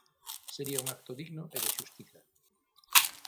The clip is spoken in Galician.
Sería un acto digno e de xustiza.